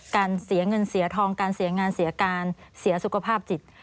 การเสียเงินเสียทองการเสียงานเสียการเสียสุขภาพจิต